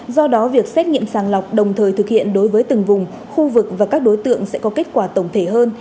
do đó việc xét nghiệm sàng lọc đồng thời thực hiện đối với từng vùng khu vực và các đối tượng sẽ có kết quả tổng thể hơn